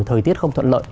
thời tiết không thuận lợi